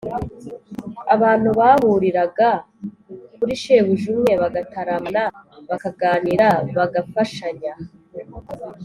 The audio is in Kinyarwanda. abantu bahuriraga kuri shebuja umwe bagataramana, bakaganira, bagafashanya.